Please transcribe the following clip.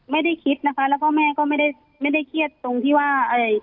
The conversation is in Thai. ไม่ได้คิดนะคะแล้วก็แม่ก็ไม่ได้เครียดตรงที่ว่า